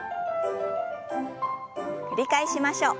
繰り返しましょう。